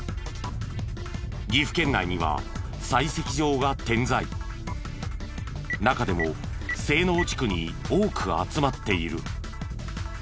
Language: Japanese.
岐阜県内には中でも西濃地区に多く集まっている。